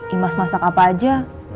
imas masak apa aja